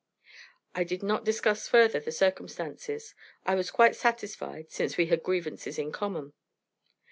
I did not discuss further the circumstances; I was quite satisfied, since we had grievances in common.